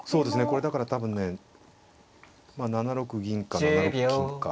これだから多分ね７六銀か７六金か。